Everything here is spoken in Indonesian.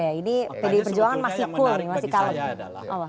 ini pdi perjuangan masih full masih kalem